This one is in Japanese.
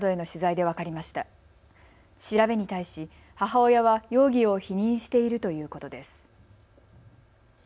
調べに対し母親は容疑を否認しているということです。